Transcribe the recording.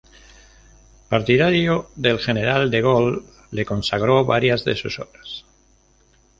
Partidario del general de Gaulle, le consagró varias de sus obras.